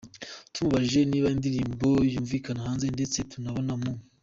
Tumubajije niba indirimbo yumvikana hanze ndetse tunabona mu.